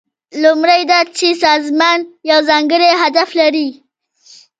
لومړی دا چې سازمان یو ځانګړی هدف لري.